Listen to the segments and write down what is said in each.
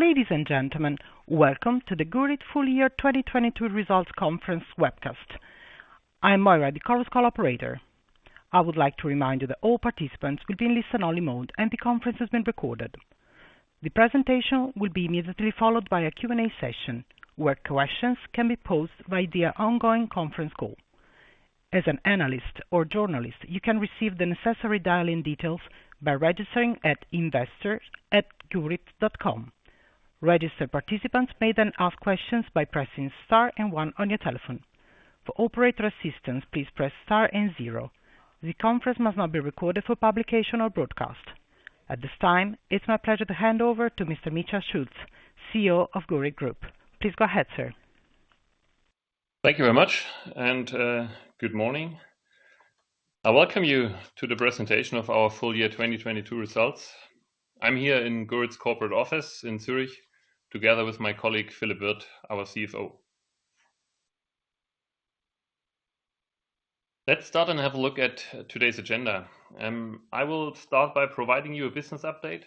Ladies and gentlemen, welcome to the Gurit Full Year 2022 Results Conference webcast. I am Moira, the Chorus Call operator. I would like to remind you that all participants will be in listen-only mode, and the conference is being recorded. The presentation will be immediately followed by a Q&A session, where questions can be posed via the ongoing conference call. As an analyst or journalist, you can receive the necessary dial-in details by registering at investor@gurit.com. Registered participants may then ask questions by pressing star and one on your telephone. For operator assistance, please press star and zero. The conference must not be recorded for publication or broadcast. At this time, it's my pleasure to hand over to Mr. Mitja Schulz, CEO of Gurit Group. Please go ahead, sir. Thank you very much. Good morning. I welcome you to the presentation of our full year 2022 results. I'm here in Gurit's corporate office in Zurich, together with my colleague, Philippe Wirth, our CFO. Let's start. Have a look at today's agenda. I will start by providing you a business update,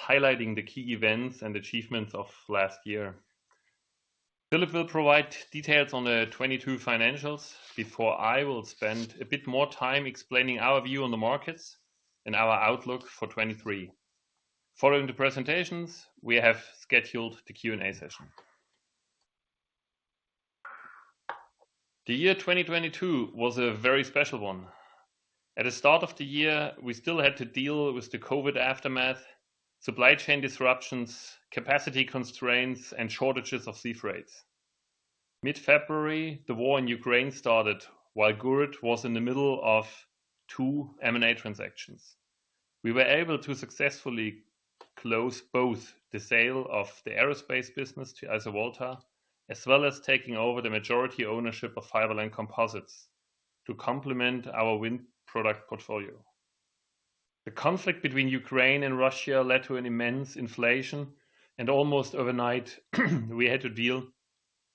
highlighting the key events and achievements of last year. Philippe will provide details on the 2022 financials before I will spend a bit more time explaining our view on the markets and our outlook for 2023. Following the presentations, we have scheduled the Q&A session. The year 2022 was a very special one. At the start of the year, we still had to deal with the COVID aftermath, supply chain disruptions, capacity constraints, and shortages of sea freights. Mid-February, the war in Ukraine started while Gurit was in the middle of two M&A transactions. We were able to successfully close both the sale of the aerospace business to Isovolta, as well as taking over the majority ownership of Fiberline Composites to complement our wind product portfolio. The conflict between Ukraine and Russia led to an immense inflation, almost overnight, we had to deal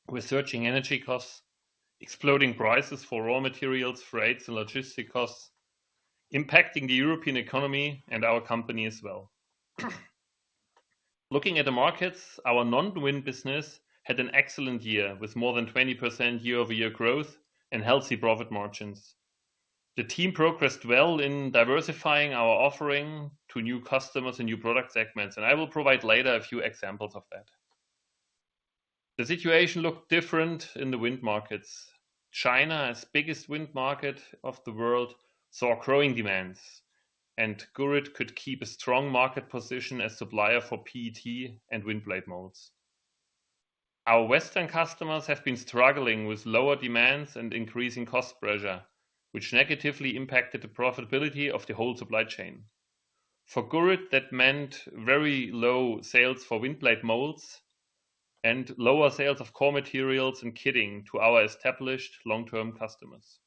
with surging energy costs, exploding prices for raw materials, freights, and logistics costs, impacting the European economy and our company as well. Looking at the markets, our non-wind business had an excellent year with more than 20% year-over-year growth and healthy profit margins. The team progressed well in diversifying our offering to new customers and new product segments, I will provide later a few examples of that. The situation looked different in the wind markets. China, as biggest wind market of the world, saw growing demands, and Gurit could keep a strong market position as supplier for PET and wind blade molds. Our Western customers have been struggling with lower demands and increasing cost pressure, which negatively impacted the profitability of the whole supply chain. For Gurit, that meant very low sales for wind blade molds and lower sales of core materials and kitting to our established long-term customers.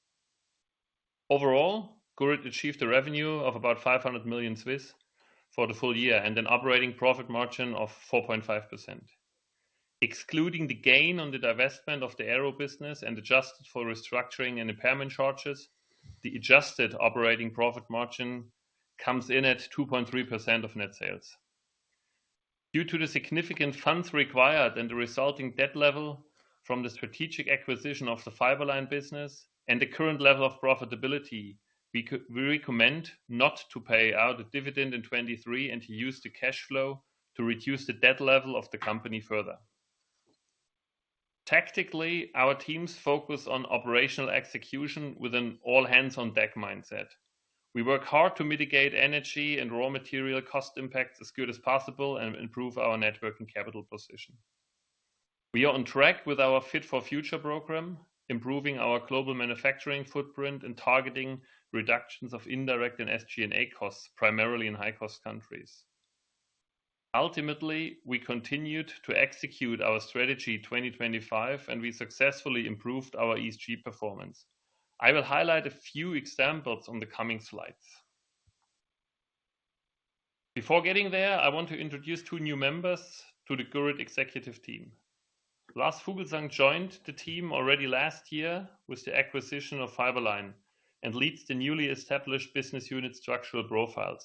Overall, Gurit achieved a revenue of about 500 million for the full year and an operating profit margin of 4.5%. Excluding the gain on the divestment of the aero business and adjusted for restructuring and impairment charges, the adjusted operating profit margin comes in at 2.3% of net sales. Due to the significant funds required and the resulting debt level from the strategic acquisition of the Fiberline business and the current level of profitability, we recommend not to pay out a dividend in 23 and to use the cash flow to reduce the debt level of the company further. Tactically, our teams focus on operational execution with an all-hands-on-deck mindset. We work hard to mitigate energy and raw material cost impacts as good as possible and improve our net working capital position. We are on track with our Fit for Future program, improving our global manufacturing footprint and targeting reductions of indirect and SG&A costs, primarily in high-cost countries. Ultimately, we continued to execute our Strategy 2025, and we successfully improved our ESG performance. I will highlight a few examples on the coming slides. Before getting there, I want to introduce two new members to the Gurit executive team. Lars Fuglsang joined the team already last year with the acquisition of Fiberline and leads the newly established business unit Structural Profiles,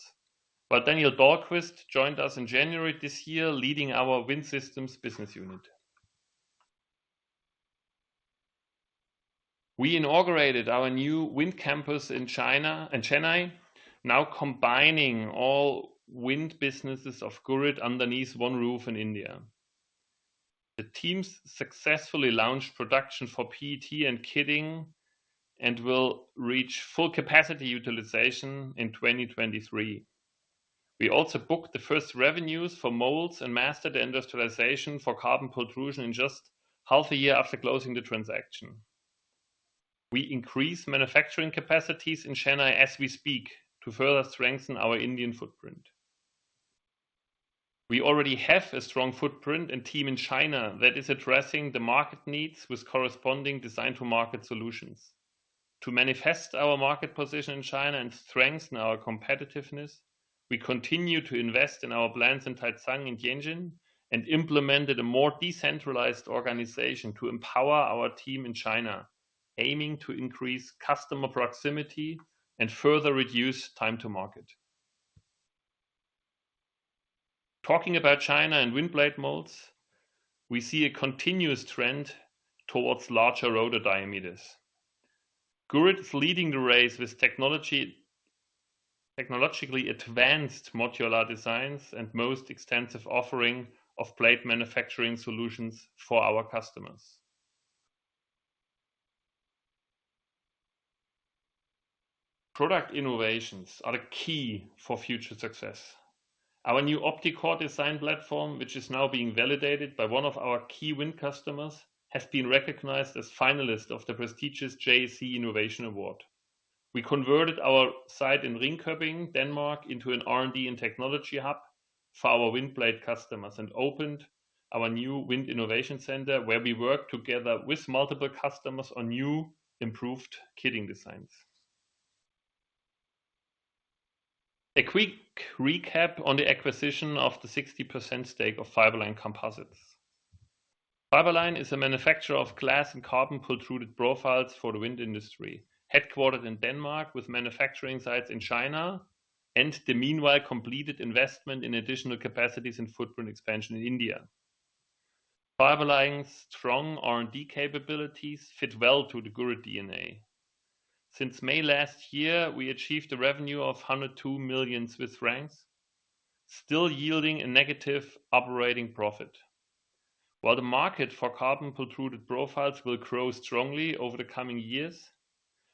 while Daniel Dahlquist joined us in January this year, leading our Wind Systems business unit. We inaugurated our new wind campus in China and Chennai, now combining all wind businesses of Gurit underneath one roof in India. The teams successfully launched production for PET and kitting and will reach full capacity utilization in 2023. We also booked the first revenues for molds and mastered the industrialization for carbon pultrusion in just half a year after closing the transaction. We increase manufacturing capacities in Chennai as we speak to further strengthen our Indian footprint. We already have a strong footprint and team in China that is addressing the market needs with corresponding design-to-market solutions. To manifest our market position in China and strengthen our competitiveness, we continue to invest in our plants in Taicang and Tianjin and implemented a more decentralized organization to empower our team in China. Aiming to increase customer proximity and further reduce time to market. Talking about China and wind blade molds, we see a continuous trend towards larger rotor diameters. Gurit is leading the race with technologically advanced modular designs and most extensive offering of blade manufacturing solutions for our customers. Product innovations are the key for future success. Our new OptiCore design platform, which is now being validated by one of our key wind customers, has been recognized as finalist of the prestigious JEC Innovation Award. We converted our site in Ringkøbing, Denmark, into an R&D and technology hub for our wind blade customers and opened our new Wind Innovation Center, where we work together with multiple customers on new improved kitting designs. A quick recap on the acquisition of the 60% stake of Fiberline Composites. Fiberline is a manufacturer of glass and carbon pultruded profiles for the wind industry, headquartered in Denmark with manufacturing sites in China and the meanwhile completed investment in additional capacities and footprint expansion in India. Fiberline's strong R&D capabilities fit well to the Gurit DNA. Since May last year, we achieved a revenue of 102 million Swiss francs, still yielding a negative operating profit. While the market for carbon pultruded profiles will grow strongly over the coming years,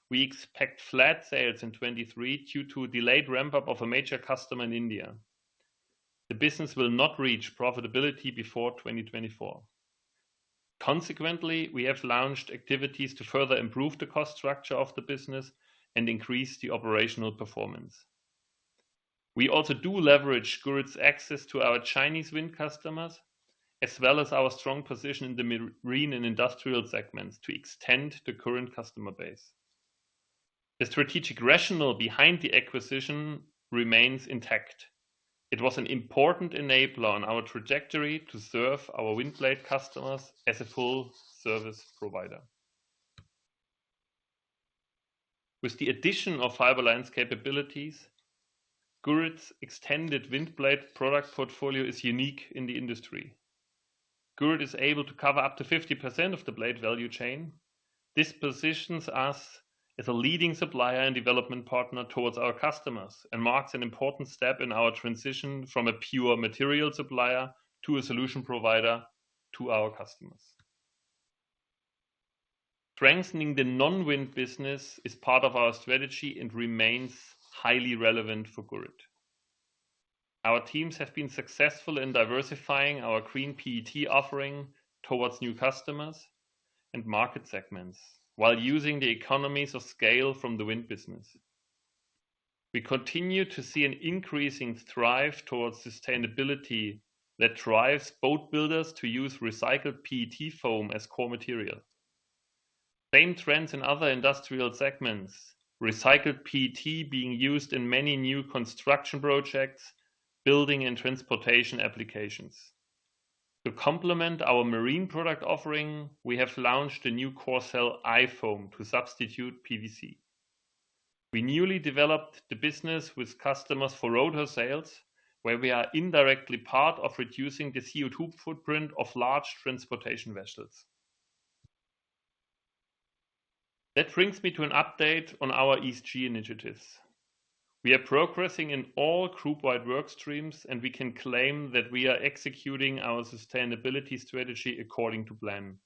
we expect flat sales in 2023 due to a delayed ramp-up of a major customer in India. The business will not reach profitability before 2024. Consequently, we have launched activities to further improve the cost structure of the business and increase the operational performance. We also do leverage Gurit's access to our Chinese wind customers, as well as our strong position in the marine and industrial segments to extend the current customer base. The strategic rationale behind the acquisition remains intact. It was an important enabler on our trajectory to serve our wind blade customers as a full-service provider. With the addition of Fiberline's capabilities, Gurit's extended wind blade product portfolio is unique in the industry. Gurit is able to cover up to 50% of the blade value chain. This positions us as a leading supplier and development partner towards our customers and marks an important step in our transition from a pure material supplier to a solution provider to our customers. Strengthening the non-wind business is part of our strategy and remains highly relevant for Gurit. Our teams have been successful in diversifying our green PET offering towards new customers and market segments while using the economies of scale from the wind business. We continue to see an increasing thrive towards sustainability that drives boat builders to use recycled PET foam as core material. Same trends in other industrial segments, recycled PET being used in many new construction projects, building and transportation applications. To complement our marine product offering, we have launched a new Corecell iFoam to substitute PVC. We newly developed the business with customers for rotor sails, where we are indirectly part of reducing the CO₂ footprint of large transportation vessels. That brings me to an update on our ESG initiatives. We are progressing in all group-wide work streams, and we can claim that we are executing our sustainability strategy according to plan.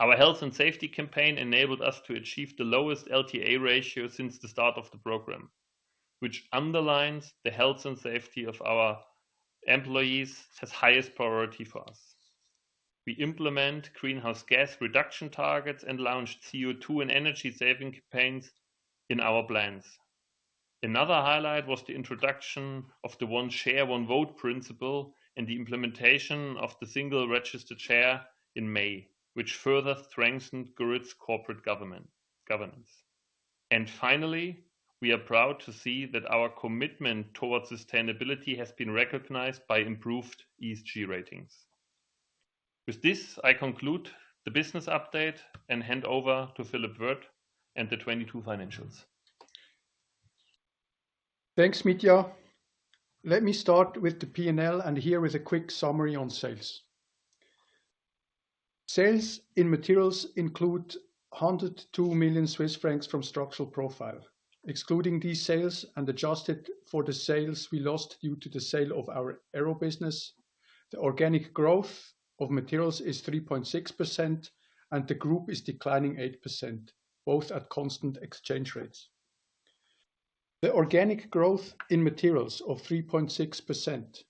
Our health and safety campaign enabled us to achieve the lowest LTA ratio since the start of the program, which underlines the health and safety of our employees has highest priority for us. We implement greenhouse gas reduction targets and launched CO₂ and energy-saving campaigns in our plants. Another highlight was the introduction of the one share, one vote principle and the implementation of the single registered share in May, which further strengthened Gurit's corporate governance. Finally, we are proud to see that our commitment towards sustainability has been recognized by improved ESG ratings. With this, I conclude the business update and hand over to Philippe Wirth and the 2022 financials. Thanks, Mitja. Let me start with the P&L, and here is a quick summary on sales. Sales in materials include 102 million Swiss francs from Structural Profiles. Excluding these sales and adjusted for the sales we lost due to the sale of our aerospace business, the organic growth of materials is 3.6%, and the group is declining 8%, both at constant exchange rates. The organic growth in materials of 3.6%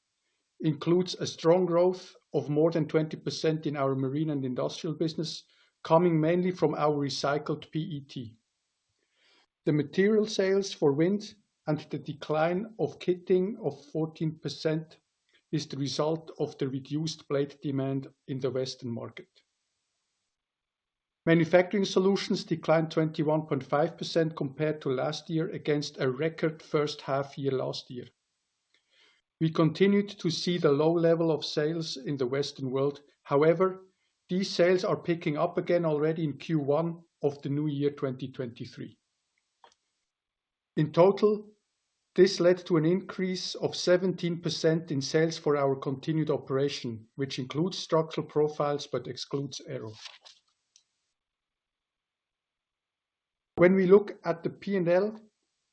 includes a strong growth of more than 20% in our marine and industrial business, coming mainly from our recycled PET. The material sales for Wind Systems and the decline of kitting of 14% is the result of the reduced blade demand in Western Europe. Manufacturing Solutions declined 21.5% compared to last year against a record first half year last year. We continued to see the low level of sales in the Western world. However, these sales are picking up again already in Q1 of the new year 2023. In total, this led to an increase of 17% in sales for our continued operation, which includes Structural Profiles but excludes aero. When we look at the P&L,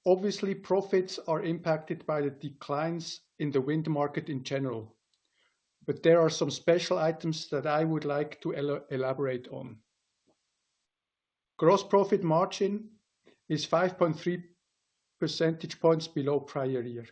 obviously profits are impacted by the declines in the wind market in general, but there are some special items that I would like to elaborate on. Gross profit margin is 5.3 percentage points below prior year.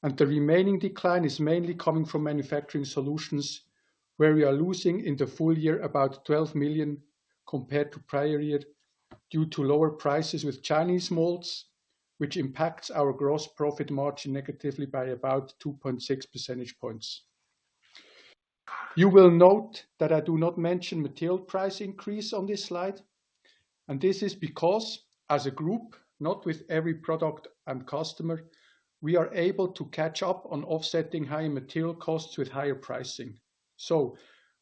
The decrease compared to prior year includes a dilution due to the acquisition of Fiberline of 2.4 percentage points, the remaining decline is mainly coming from Manufacturing Solutions, where we are losing in the full year about 12 million compared to prior year due to lower prices with Chinese molds, which impacts our gross profit margin negatively by about 2.6 percentage points. You will note that I do not mention material price increase on this slide, this is because as a group, not with every product and customer, we are able to catch up on offsetting higher material costs with higher pricing.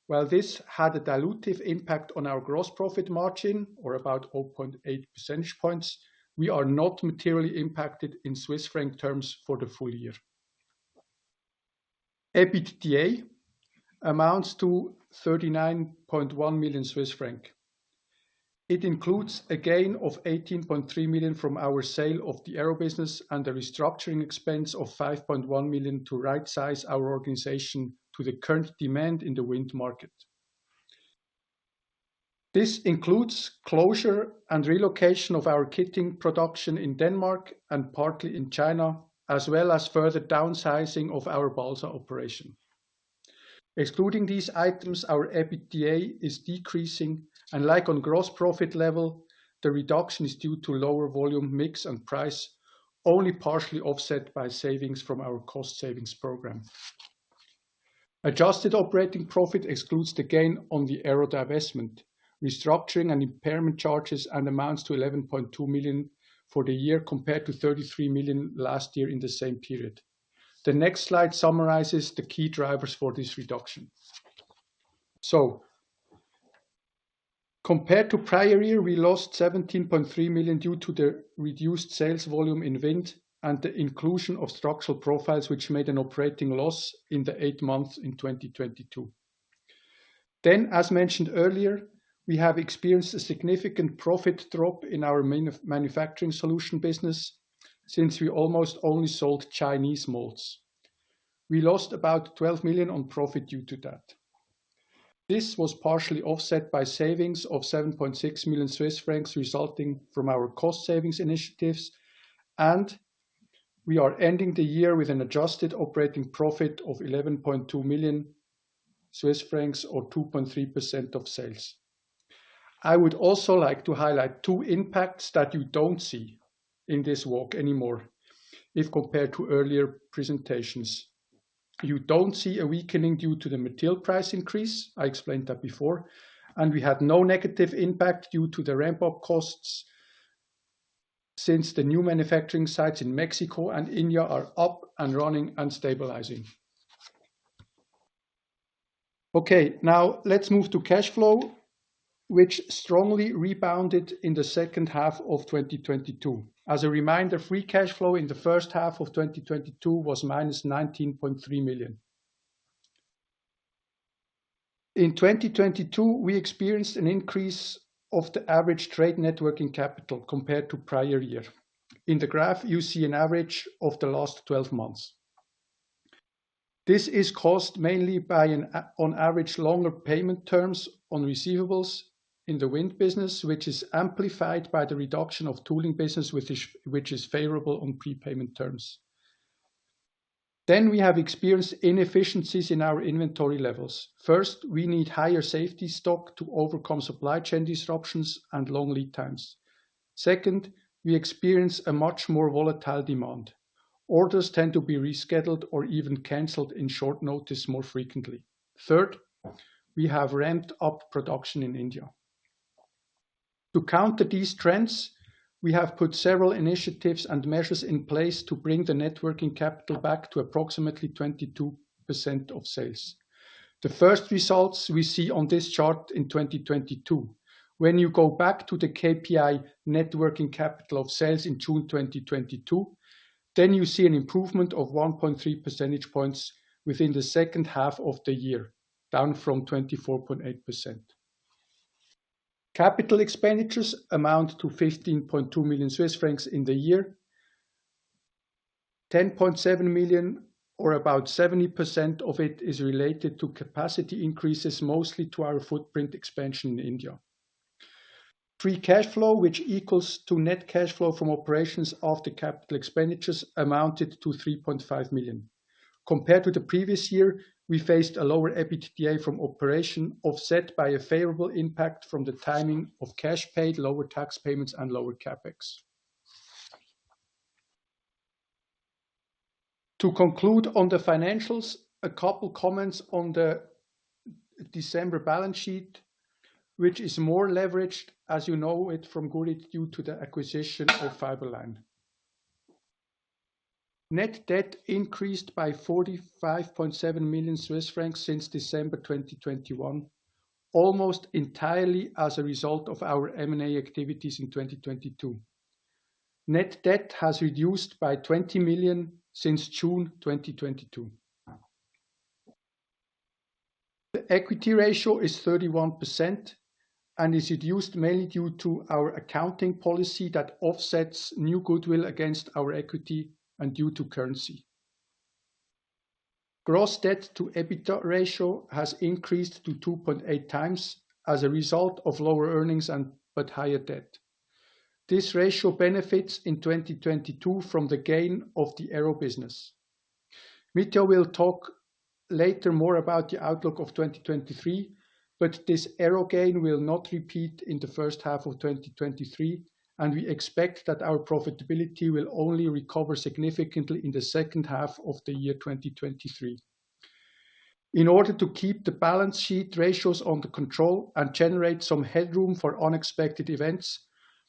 While this had a dilutive impact on our gross profit margin or about 0.8 percentage points, we are not materially impacted in Swiss franc terms for the full year. EBITDA amounts to 39.1 million Swiss franc. It includes a gain of 18.3 million from our sale of the aero business and a restructuring expense of 5.1 million to right-size our organization to the current demand in the wind market. This includes closure and relocation of our kitting production in Denmark and partly in China, as well as further downsizing of our balsa operation. Excluding these items, our EBITDA is decreasing, and like on gross profit level, the reduction is due to lower volume mix and price, only partially offset by savings from our cost savings program. Adjusted operating profit excludes the gain on the aero divestment, restructuring and impairment charges, and amounts to 11.2 million for the year compared to 33 million last year in the same period. The next slide summarizes the key drivers for this reduction. Compared to prior year, we lost 17.3 million due to the reduced sales volume in wind and the inclusion of Structural Profiles, which made an operating loss in the eight months in 2022. As mentioned earlier, we have experienced a significant profit drop in our Manufacturing Solutions business since we almost only sold Chinese molds. We lost about 12 million on profit due to that. This was partially offset by savings of 7.6 million Swiss francs resulting from our cost savings initiatives, and we are ending the year with an adjusted operating profit of 11.2 million Swiss francs or 2.3% of sales. I would also like to highlight two impacts that you don't see in this walk anymore if compared to earlier presentations. You don't see a weakening due to the material price increase, I explained that before. We had no negative impact due to the ramp-up costs since the new manufacturing sites in Mexico and India are up and running and stabilizing. Okay. Now let's move to cash flow, which strongly rebounded in the second half of 2022. As a reminder, free cash flow in the first half of 2022 was -19.3 million. In 2022, we experienced an increase of the average trade net working capital compared to prior year. In the graph, you see an average of the last 12 months. This is caused mainly by an, on average, longer payment terms on receivables in the wind business, which is amplified by the reduction of tooling business, which is favorable on prepayment terms. We have experienced inefficiencies in our inventory levels. First, we need higher safety stock to overcome supply chain disruptions and long lead times. We experience a much more volatile demand. Orders tend to be rescheduled or even canceled in short notice more frequently. We have ramped up production in India. To counter these trends, we have put several initiatives and measures in place to bring the net working capital back to approximately 22% of sales. The first results we see on this chart in 2022. You go back to the KPI net working capital of sales in June 2022, you see an improvement of 1.3 percentage points within the second half of the year, down from 24.8%. CapEx amount to 15.2 million Swiss francs in the year. 10.7 million or about 70% of it is related to capacity increases, mostly to our footprint expansion in India. Free cash flow, which equals to net cash flow from operations after CapEx, amounted to 3.5 million. Compared to the previous year, we faced a lower EBITDA from operation, offset by a favorable impact from the timing of cash paid, lower tax payments, and lower CapEx. To conclude on the financials, a couple comments on the December balance sheet, which is more leveraged, as you know it from Gurit due to the acquisition of Fiberline. Net debt increased by 45.7 million Swiss francs since December 2021, almost entirely as a result of our M&A activities in 2022. Net debt has reduced by 20 million since June 2022. The equity ratio is 31% and is reduced mainly due to our accounting policy that offsets new goodwill against our equity and due to currency. Gross debt to EBITDA ratio has increased to 2.8 times as a result of lower earnings but higher debt. This ratio benefits in 2022 from the gain of the aero business. Mitja will talk later more about the outlook of 2023, but this aero gain will not repeat in the first half of 2023, and we expect that our profitability will only recover significantly in the second half of 2023. In order to keep the balance sheet ratios under control and generate some headroom for unexpected events,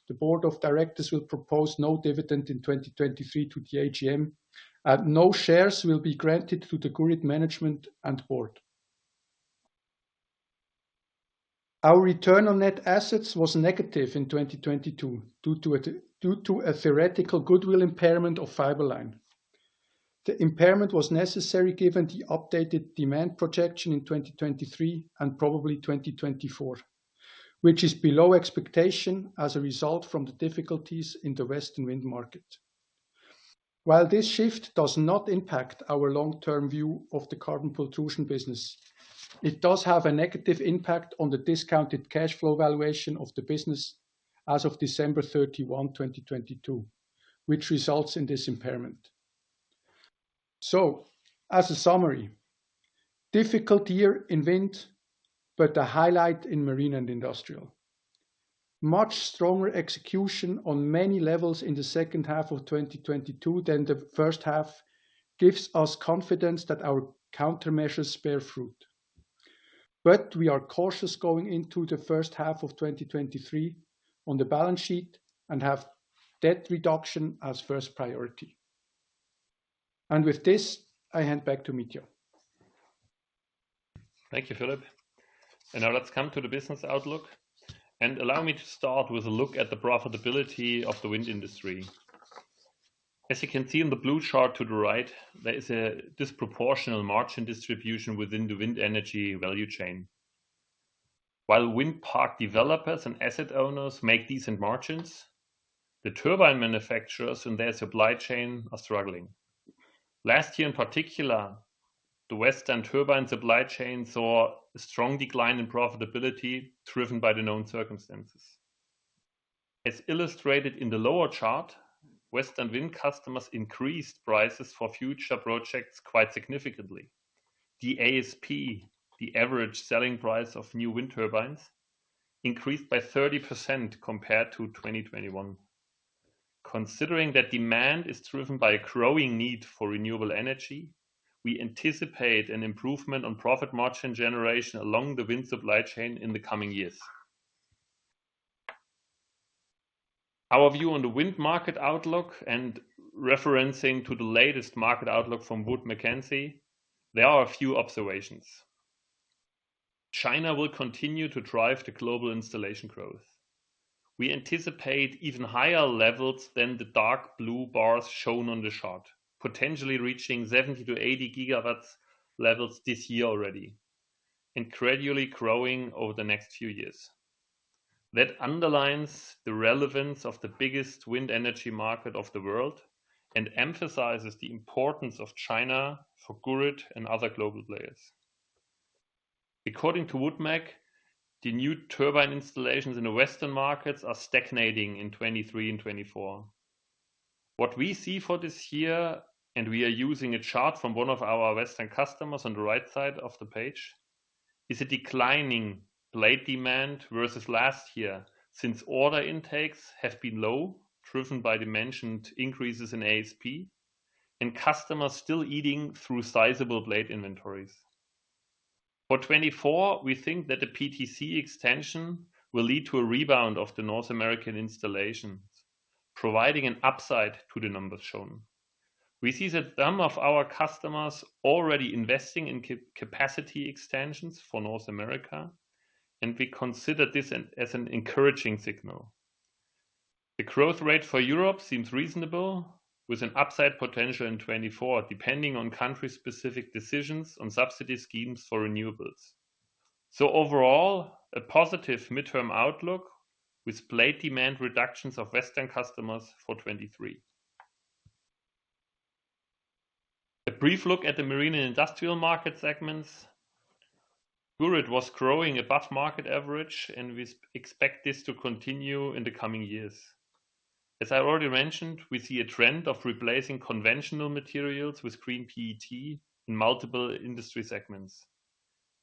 the board of directors will propose no dividend in 2023 to the AGM, and no shares will be granted to the Gurit management and board. Our return on net assets was negative in 2022 due to a theoretical goodwill impairment of Fiberline. The impairment was necessary given the updated demand projection in 2023 and probably 2024, which is below expectation as a result from the difficulties in the Western wind market. While this shift does not impact our long-term view of the carbon pultrusion business, it does have a negative impact on the discounted cash flow valuation of the business as of December 31, 2022, which results in this impairment. As a summary, difficult year in wind, but a highlight in marine and industrial. Much stronger execution on many levels in the second half of 2022 than the first half gives us confidence that our countermeasures bear fruit. We are cautious going into the first half of 2023 on the balance sheet and have debt reduction as first priority. With this, I hand back to Mitja. Thank you, Philippe. Now let's come to the business outlook, allow me to start with a look at the profitability of the wind industry. As you can see in the blue chart to the right, there is a disproportional margin distribution within the wind energy value chain. While wind park developers and asset owners make decent margins, the turbine manufacturers and their supply chain are struggling. Last year in particular, the Western turbine supply chain saw a strong decline in profitability driven by the known circumstances. As illustrated in the lower chart, Western wind customers increased prices for future projects quite significantly. The ASP, the average selling price of new wind turbines, increased by 30% compared to 2021. Considering that demand is driven by a growing need for renewable energy, we anticipate an improvement on profit margin generation along the wind supply chain in the coming years. Our view on the wind market outlook and referencing to the latest market outlook from Wood Mackenzie, there are a few observations. China will continue to drive the global installation growth. We anticipate even higher levels than the dark blue bars shown on the chart, potentially reaching 70-80 gigawatts levels this year already, and gradually growing over the next few years. That underlines the relevance of the biggest wind energy market of the world and emphasizes the importance of China for Gurit and other global players. According to WoodMac, the new turbine installations in the Western markets are stagnating in 2023 and 2024. What we see for this year, and we are using a chart from one of our Western customers on the right side of the page, is a declining blade demand versus last year, since order intakes have been low, driven by the mentioned increases in ASP, and customers still eating through sizable blade inventories. For 2024, we think that the PTC extension will lead to a rebound of the North American installations, providing an upside to the numbers shown. We see that some of our customers already investing in capacity extensions for North America, and we consider this as an encouraging signal. The growth rate for Europe seems reasonable, with an upside potential in 2024, depending on country-specific decisions on subsidy schemes for renewables. Overall, a positive midterm outlook with blade demand reductions of Western customers for 2023. A brief look at the marine and industrial market segments. Gurit was growing above market average. We expect this to continue in the coming years. As I already mentioned, we see a trend of replacing conventional materials with Kerdyn Green in multiple industry segments.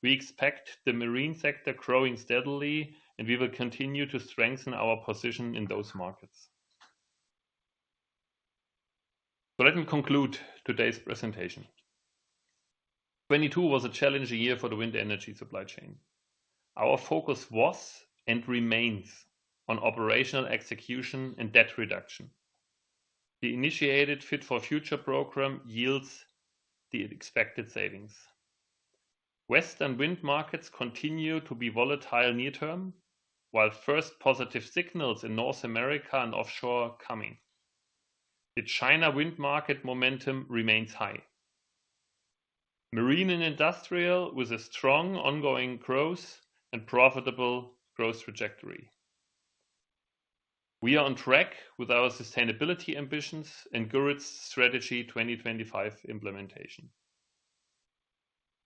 We expect the marine sector growing steadily, and we will continue to strengthen our position in those markets. Let me conclude today's presentation. 2022 was a challenging year for the wind energy supply chain. Our focus was and remains on operational execution and debt reduction. The initiated Fit for Future program yields the expected savings. Western wind markets continue to be volatile near-term, while first positive signals in North America and offshore are coming. The China wind market momentum remains high. Marine and industrial with a strong ongoing growth and profitable growth trajectory. We are on track with our sustainability ambitions and Gurit's Strategy 2025 implementation.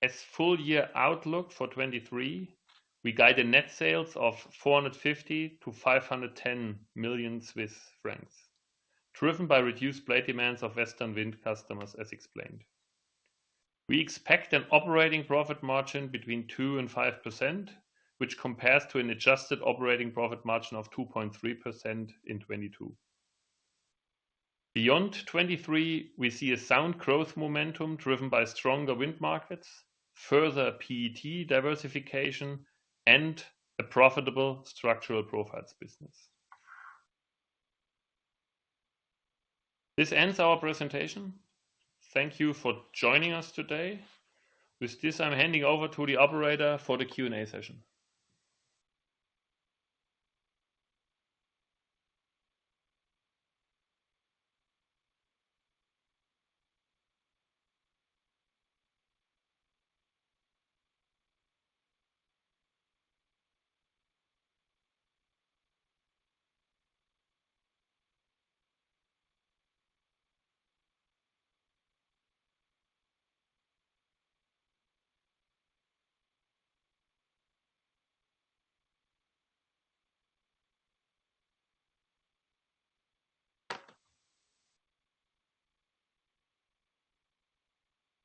As full-year outlook for 2023, we guided net sales of 450 million-510 million Swiss francs, driven by reduced blade demands of Western wind customers, as explained. We expect an operating profit margin between 2% and 5%, which compares to an adjusted operating profit margin of 2.3% in 2022. Beyond 2023, we see a sound growth momentum driven by stronger wind markets, further PET diversification, and a profitable Structural Profiles business. This ends our presentation. Thank you for joining us today. With this, I'm handing over to the operator for the Q&A session.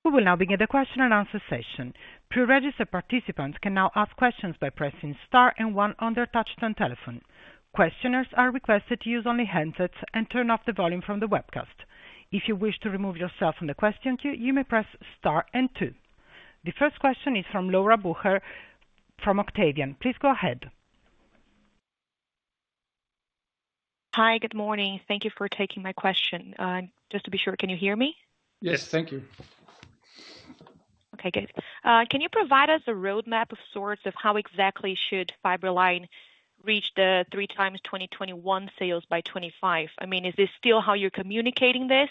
We will now begin the question and answer session. Pre-registered participants can now ask questions by pressing star one on their touchtone telephone. Questioners are requested to use only handsets and turn off the volume from the webcast. If you wish to remove yourself from the question queue, you may press star two. The first question is from Laura Bucher from Octavian. Please go ahead. Hi. Good morning. Thank you for taking my question. Just to be sure, can you hear me? Yes, thank you. Okay, good. Can you provide us a roadmap of sorts of how exactly should Fiberline reach the 3x 2021 sales by 2025? I mean, is this still how you're communicating this?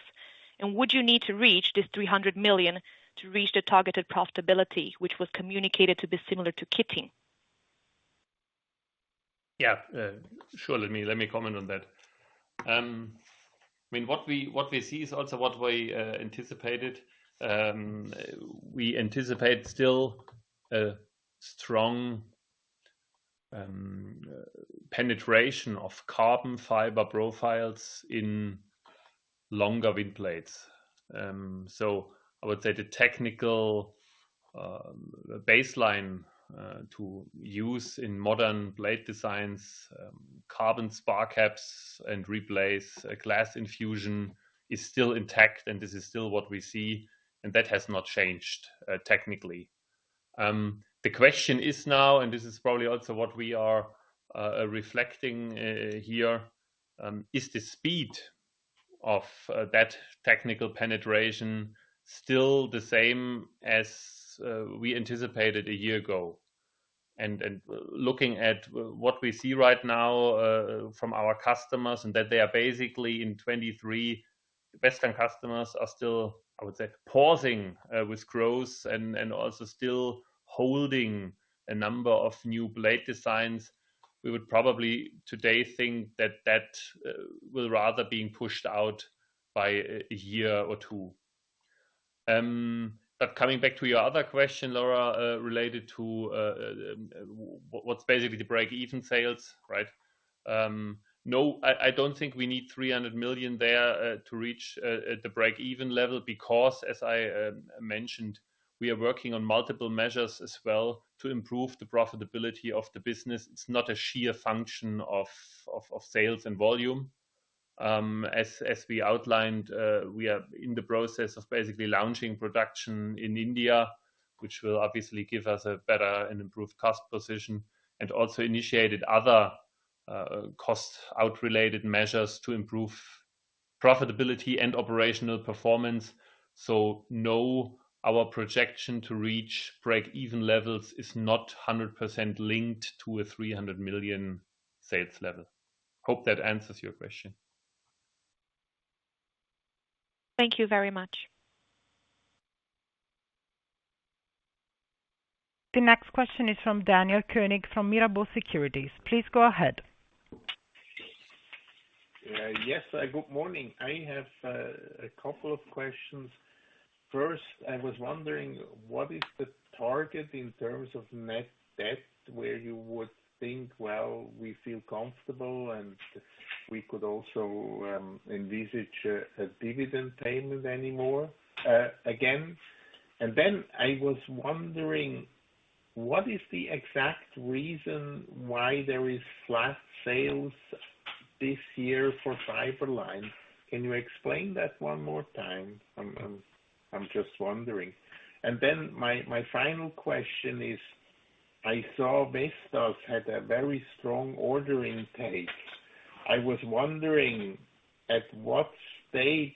Would you need to reach this 300 million to reach the targeted profitability, which was communicated to be similar to Kitting? Yeah. Sure. Let me comment on that. I mean, what we see is also what we anticipated. We anticipate still a strong penetration of carbon fiber profiles in longer wind blades. I would say the technical baseline to use in modern blade designs, carbon spar caps and replace glass infusion is still intact, and this is still what we see, and that has not changed, technically. The question is now, and this is probably also what we are reflecting here, is the speed of that technical penetration still the same as we anticipated a year ago? Looking at what we see right now from our customers and that they are basically in 2023, Western customers are still, I would say, pausing with growth and also still holding a number of new blade designs. We would probably today think that that will rather being pushed out by a year or two. Coming back to your other question, Laura, related to what's basically the break-even sales, right? No, I don't think we need 300 million there to reach the break-even level because, as I mentioned, we are working on multiple measures as well to improve the profitability of the business. It's not a sheer function of sales and volume. As we outlined, we are in the process of basically launching production in India, which will obviously give us a better and improved cost position, and also initiated other cost out related measures to improve profitability and operational performance. No, our projection to reach break-even levels is not 100% linked to a 300 million sales level. Hope that answers your question. Thank you very much. The next question is from Daniel Koenig from Mirabaud Securities. Please go ahead. Yes. Good morning. I have a couple of questions. First, I was wondering what is the target in terms of net debt, where you would think, well, we feel comfortable, and if we could also envisage a dividend payment anymore again? I was wondering what is the exact reason why there is flat sales this year for Fiberline? Can you explain that one more time? I'm just wondering. My final question is, I saw Vestas had a very strong order intake. I was wondering at what stage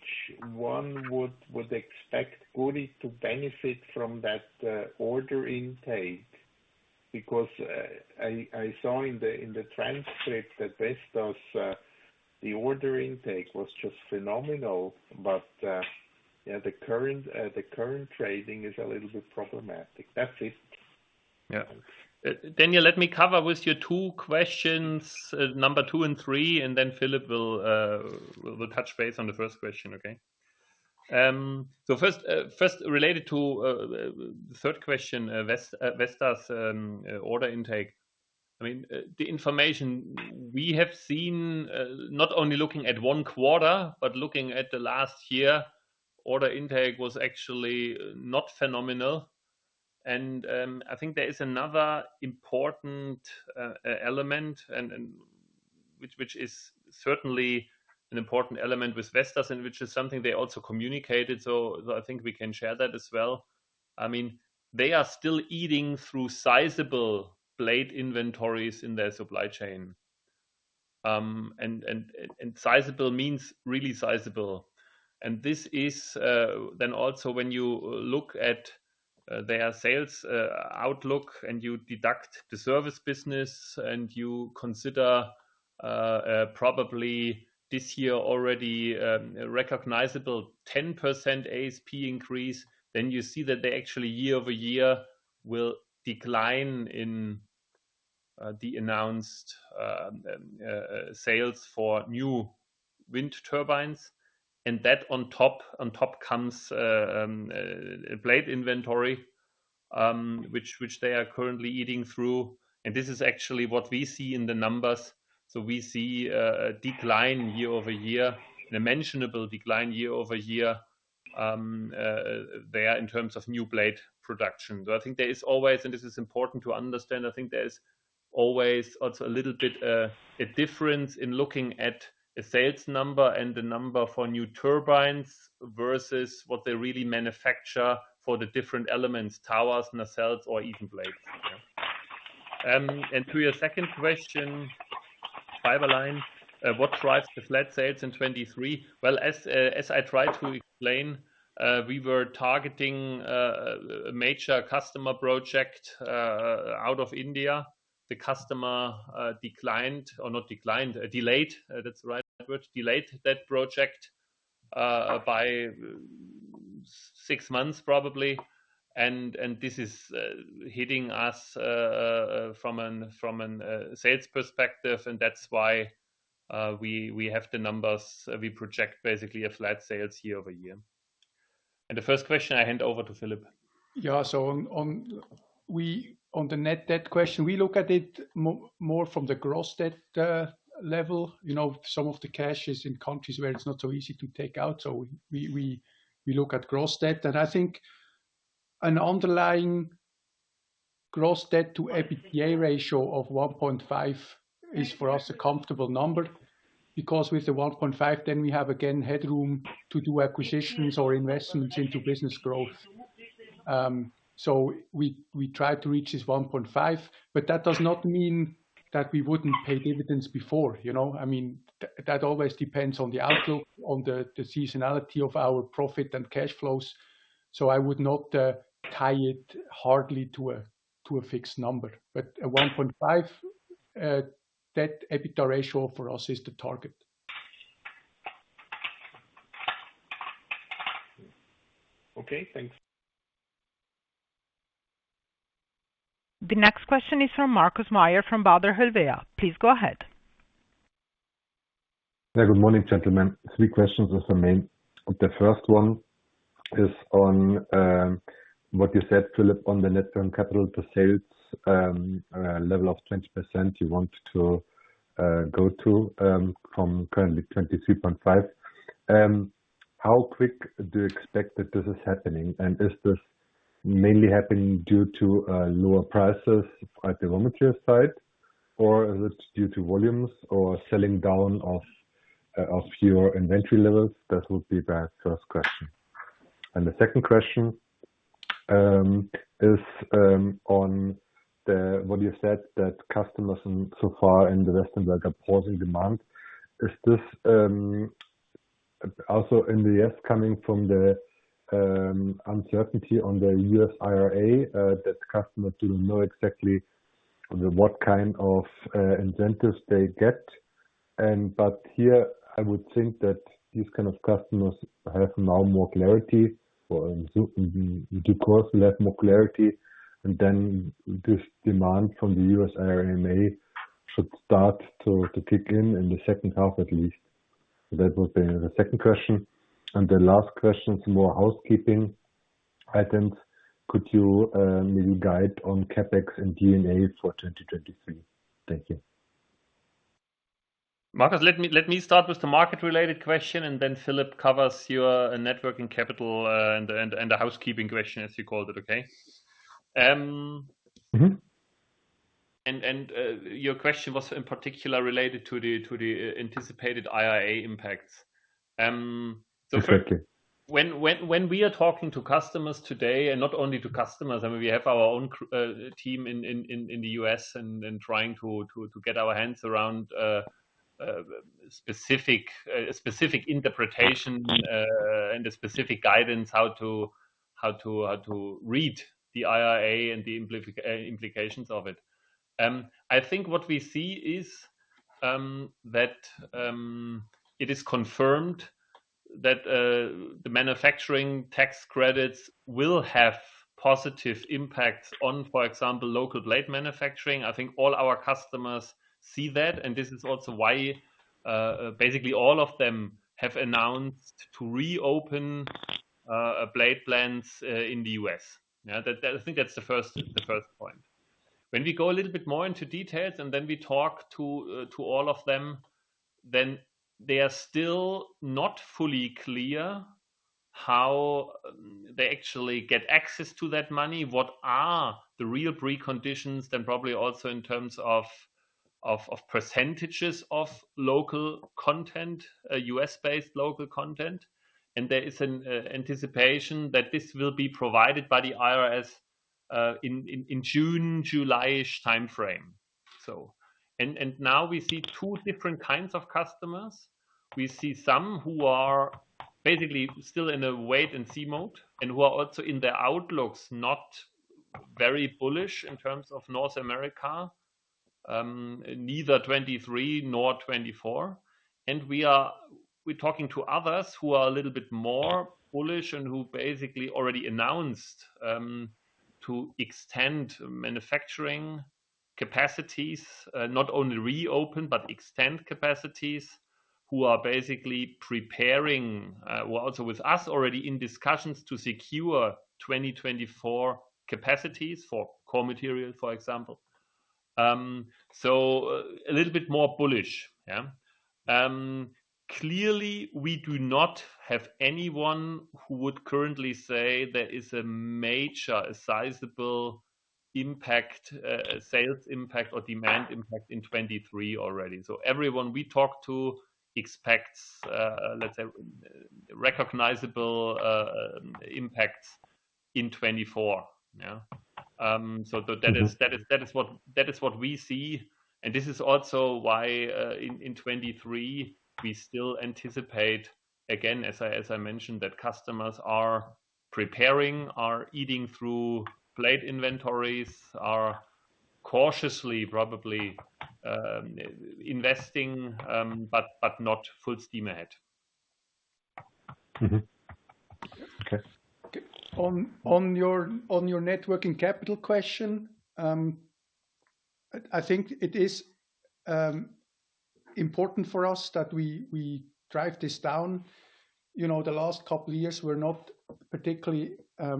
one would expect Gurit to benefit from that order intake. Because I saw in the transcript that Vestas the order intake was just phenomenal. Yeah, the current trading is a little bit problematic. That's it. Yeah. Daniel, let me cover with your two questions, number two and three. Philippe will touch base on the 1st question, okay? First related to the 3rd question, Vestas order intake. I mean, the information we have seen, not only looking at one quarter, but looking at the last year, order intake was actually not phenomenal. I think there is another important element and which is certainly an important element with Vestas and which is something they also communicated, so I think we can share that as well. I mean, they are still eating through sizable blade inventories in their supply chain. And sizable means really sizable. This is also when you look at their sales outlook and you deduct the service business and you consider probably this year already a recognizable 10% ASP increase, then you see that they actually year-over-year will decline in the announced sales for new wind turbines. That on top comes a blade inventory which they are currently eating through. This is actually what we see in the numbers. We see a decline year-over-year, a mentionable decline year-over-year there in terms of new blade production. I think there is always, and this is important to understand, I think there is always also a little bit, a difference in looking at a sales number and the number for new turbines versus what they really manufacture for the different elements, towers, nacelles or even blades. To your second question, Fiberline, what drives the flat sales in 2023? Well, as I tried to explain, we were targeting a major customer project out of India. The customer declined, or not declined, delayed, that's the right word, delayed that project by six months probably. This is hitting us from a sales perspective, and that's why we have the numbers. We project basically a flat sales year-over-year. The first question I hand over to Philippe. Yeah. on the net debt question, we look at it more from the gross debt level. You know, some of the cash is in countries where it's not so easy to take out, so we look at gross debt. I think an underlying gross debt to EBITDA ratio of 1.5 is for us a comfortable number, because with the 1.5, then we have again headroom to do acquisitions or investments into business growth. we try to reach this 1.5, but that does not mean that we wouldn't pay dividends before, you know. I mean, that always depends on the outlook, on the seasonality of our profit and cash flows. I would not tie it hardly to a fixed number. A 1.5 debt EBITDA ratio for us is the target. Okay, thanks. The next question is from Markus Mayer from Baader Helvea. Please go ahead. Good morning, gentlemen. Three questions with the main. The first one is on what you said, Philippe, on the net term capital to sales level of 20% you want to go to from currently 23.5%. How quick do you expect that this is happening? Is this mainly happening due to lower prices at the millimeter side? Or is it due to volumes or selling down of your inventory levels? That would be my first question. The second question is what you said that customers so far in Western Europe are pausing demand. Is this also coming from the uncertainty on the U.S. IRA that customers will know exactly what kind of incentives they get. Here I would think that these kind of customers have now more clarity for because they have more clarity, then this demand from the U.S. IRA may, should start to kick in the second half at least. That would be the second question. The last question is more housekeeping items. Could you maybe guide on CapEx and D&A for 2023? Thank you. Marcus, let me start with the market related question and then Philippe covers your networking capital and the housekeeping question as you called it, okay? Mm-hmm. Your question was in particular related to the anticipated IRA impacts. Exactly. When we are talking to customers today, and not only to customers, I mean, we have our own team in the U.S., and trying to get our hands around specific interpretation and the specific guidance how to read the IRA and the implications of it. I think what we see is that it is confirmed that the manufacturing tax credits will have positive impacts on, for example, local blade manufacturing. I think all our customers see that, and this is also why, basically all of them have announced to reopen blade plants in the U.S. Yeah. That's, I think, that's the first point. When we go a little bit more into details and then we talk to all of them, then they are still not fully clear how they actually get access to that money, what are the real preconditions, then probably also in terms of, of percentages of local content, U.S.-based local content. There is an anticipation that this will be provided by the IRS in, in June, July-ish timeframe. We see two different kinds of customers. We see some who are basically still in a wait and see mode and who are also in their outlooks not very bullish in terms of North America, neither 2023 nor 2024. We're talking to others who are a little bit more bullish and who basically already announced, to extend manufacturing capacities, not only reopen but extend capacities, who are basically preparing, who are also with us already in discussions to secure 2024 capacities for core material, for example. A little bit more bullish, yeah. Clearly we do not have anyone who would currently say there is a major, a sizable impact, a sales impact or demand impact in 2023 already. Everyone we talk to expects, let's say, recognizable impacts in 2024. Yeah. That is what we see. This is also why, in 2023 we still anticipate, again, as I mentioned, that customers are preparing, are eating through blade inventories, are cautiously probably, investing, but not full steam ahead. Mm-hmm. Okay. On your, on your networking capital question, I think it is important for us that we drive this down. You know, the last couple of years were not particularly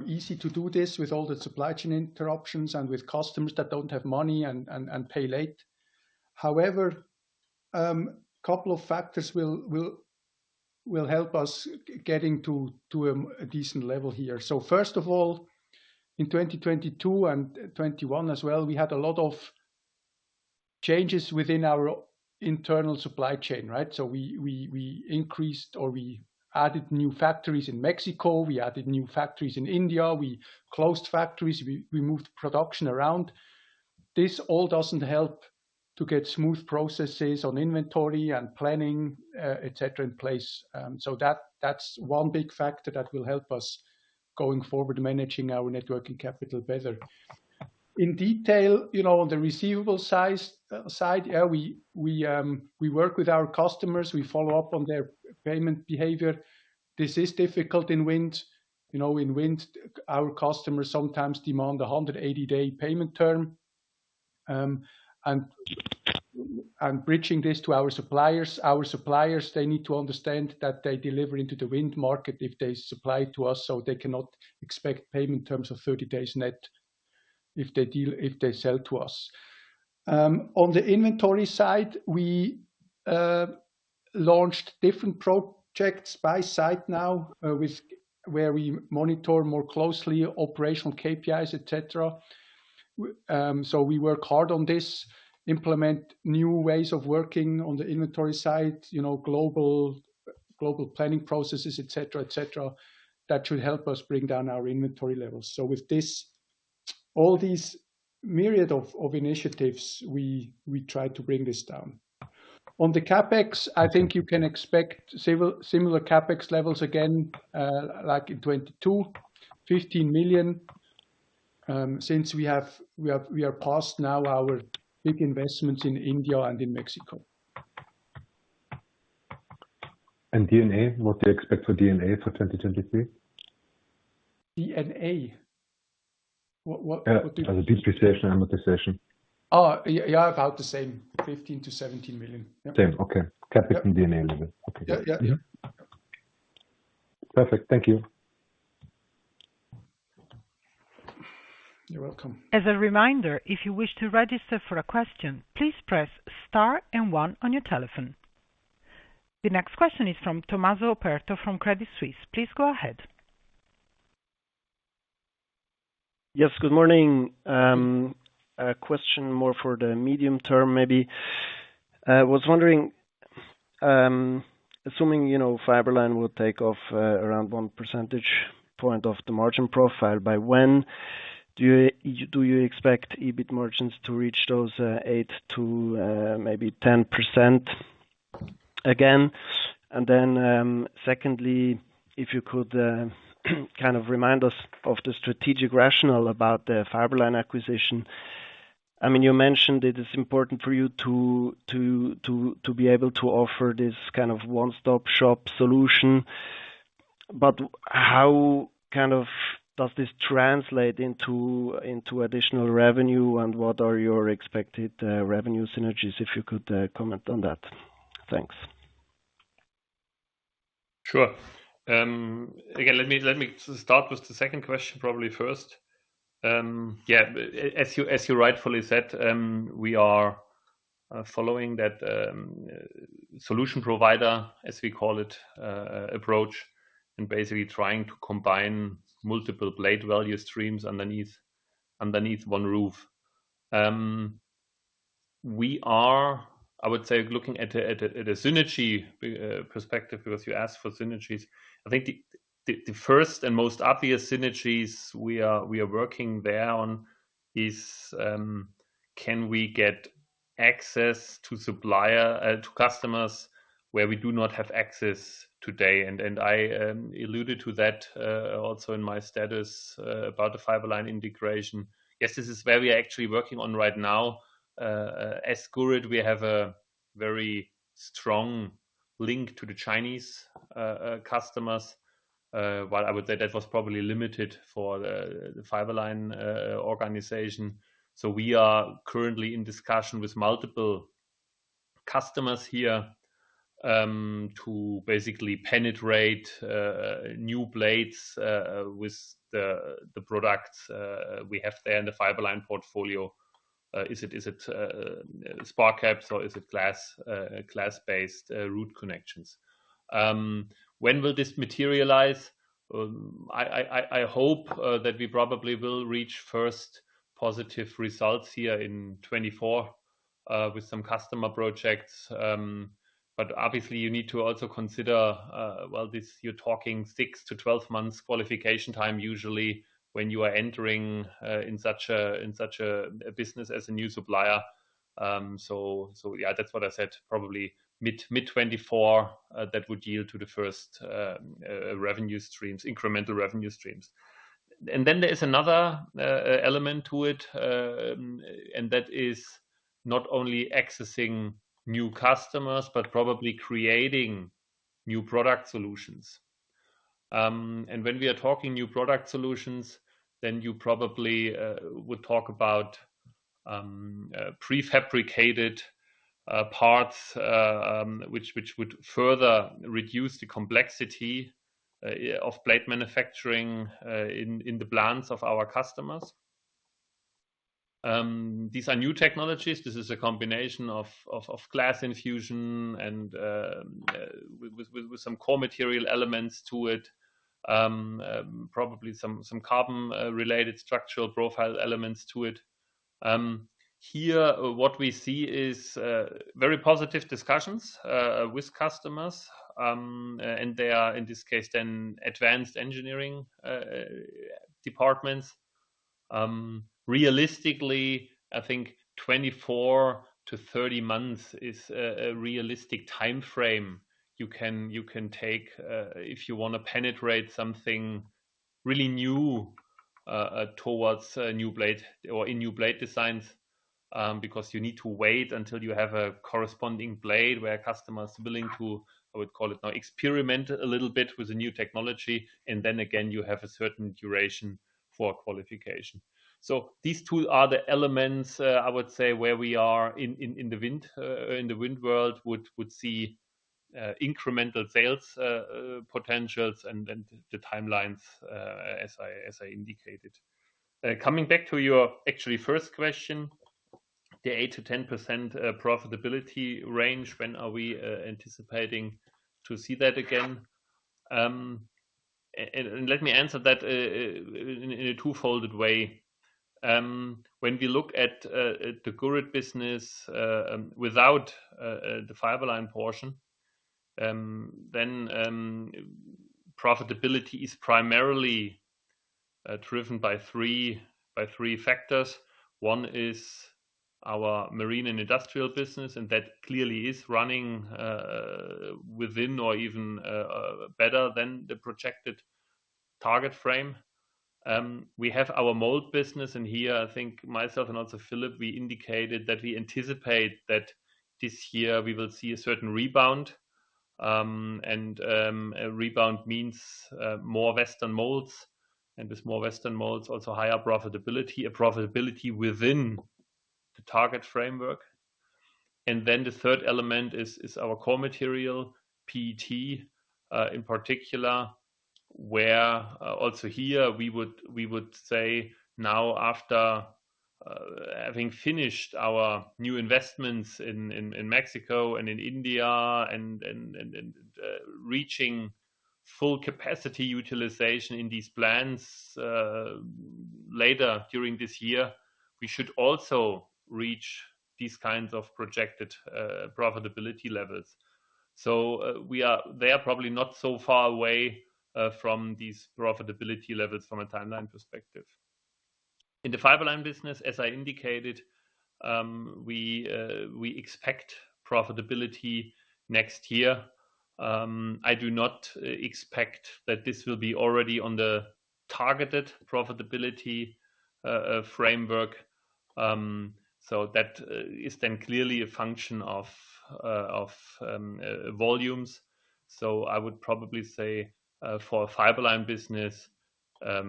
easy to do this with all the supply chain interruptions and with customers that don't have money and pay late. However, couple of factors will help us getting to a decent level here. First of all, in 2022 and 2021 as well, we had a lot of changes within our internal supply chain, right? We increased or we added new factories in Mexico, we added new factories in India, we closed factories, we moved production around. This all doesn't help to get smooth processes on inventory and planning, et cetera, in place. That's one big factor that will help us going forward managing our networking capital better. In detail, you know, the receivable side, yeah, we work with our customers. We follow up on their payment behavior. This is difficult in wind. You know, in wind our customers sometimes demand a 180-day payment term and bridging this to our suppliers. Our suppliers, they need to understand that they deliver into the wind market if they supply to us, they cannot expect payment terms of 30 days net if they sell to us. On the inventory side, we launched different projects by site now where we monitor more closely operational KPIs, et cetera. We work hard on this, implement new ways of working on the inventory side, you know, global planning processes, et cetera, et cetera, that should help us bring down our inventory levels. With this, all these myriad of initiatives, we try to bring this down. On the CapEx, I think you can expect similar CapEx levels again, like in 2022, 15 million, since we have we are past now our big investments in India and in Mexico. D&A, what do you expect for D&A for 2023? D&A? What? The depreciation amortization. Oh, yeah, about the same. 15 million-17 million. Yeah. Same. Okay. CapEx and D&A level. Okay. Yeah. Yeah. Perfect. Thank you. You're welcome. As a reminder, if you wish to register for a question, please press Star and One on your telephone. The next question is from Tommaso Perto from Credit Suisse. Please go ahead. Yes, good morning. A question more for the medium term, maybe. I was wondering, assuming, you know, Fiberline will take off, around 1 percentage point of the margin profile. By when do you expect EBIT margins to reach those, 8% to maybe 10% again? Secondly, if you could kind of remind us of the strategic rationale about the Fiberline acquisition. I mean, you mentioned it is important for you to be able to offer this kind of one-stop shop solution. How kind of does this translate into additional revenue? What are your expected revenue synergies, if you could comment on that? Thanks. Sure. Again, let me start with the second question probably first. Yeah, as you rightfully said, we are following that solution provider, as we call it, approach, and basically trying to combine multiple blade value streams underneath one roof. We are, I would say, looking at a synergy perspective, because you asked for synergies. I think the first and most obvious synergies we are working there on is, can we get access to supplier to customers where we do not have access today? I alluded to that also in my status about the Fiberline integration. Yes, this is where we are actually working on right now. As Gurit, we have a very strong link to the Chinese customers, while I would say that was probably limited for the Fiberline organization. We are currently in discussion with multiple customers here to basically penetrate new blades with the products we have there in the Fiberline portfolio. Is it spar caps or is it glass-based root connections? When will this materialize? I hope that we probably will reach first positive results here in 2024 with some customer projects. Obviously you need to also consider, well, you're talking 6-12 months qualification time usually when you are entering in such a business as a new supplier. Yeah, that's what I said, probably mid 2024, that would yield to the first revenue streams, incremental revenue streams. There is another element to it, that is not only accessing new customers, but probably creating new product solutions. When we are talking new product solutions, you probably would talk about prefabricated parts, which would further reduce the complexity of blade manufacturing in the plants of our customers. These are new technologies. This is a combination of glass infusion and with some core material elements to it. Probably some carbon related structural profile elements to it. Here what we see is very positive discussions with customers, and they are in this case then advanced engineering departments. Realistically, I think 24-30 months is a realistic timeframe you can take, if you wanna penetrate something really new towards a new blade or a new blade designs, because you need to wait until you have a corresponding blade where customer is willing to, I would call it now, experiment a little bit with the new technology. Then again, you have a certain duration for qualification. These two are the elements I would say where we are in the wind, in the wind world would see incremental sales potentials and the timelines as I indicated. Coming back to your actually first question, the 8%-10% profitability range, when are we anticipating to see that again? Let me answer that in a two-folded way. When we look at the Gurit business without the Fiberline Composites portion, then profitability is primarily driven by three factors. One is our marine and industrial business, and that clearly is running within or even better than the projected target frame. We have our mold business, and here I think myself and also Philippe indicated that we anticipate that this year we will see a certain rebound. A rebound means more Western molds and with more Western molds also higher profitability within the target framework. Then the third element is our core material, PET in particular, where also here we would say now after having finished our new investments in Mexico and in India and reaching full capacity utilization in these plants later during this year, we should also reach these kinds of projected profitability levels. They are probably not so far away from these profitability levels from a timeline perspective. In the Fiberline business, as I indicated, we expect profitability next year. I do not expect that this will be already on the targeted profitability framework. So that is then clearly a function of volumes. I would probably say for Fiberline business, a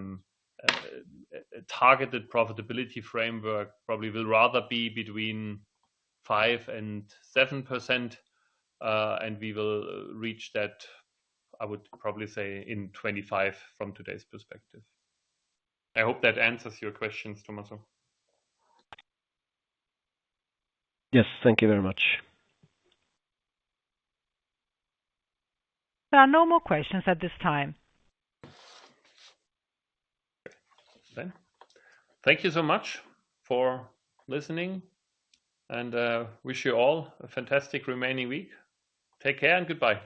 targeted profitability framework probably will rather be between 5%-7%, and we will reach that, I would probably say in 2025 from today's perspective. I hope that answers your questions, Tommaso. Yes. Thank you very much. There are no more questions at this time. Thank you so much for listening, and wish you all a fantastic remaining week. Take care and goodbye.